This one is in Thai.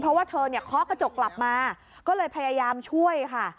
เพราะว่าเธอเนี่ยเคาะกระจกกลับมาก็เลยพยายามช่วยค่ะ